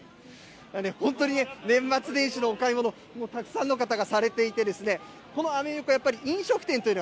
本当にね、年末年始のお買い物、たくさんの方がされていて、このアメ横、やっぱり飲食店というの